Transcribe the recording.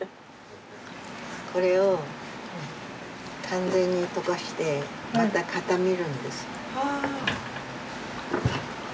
これを完全に溶かしてまた固めるんです。